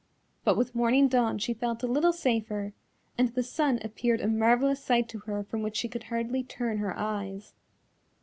But with morning dawn she felt a little safer, and the sun appeared a marvellous sight to her from which she could hardly turn her eyes.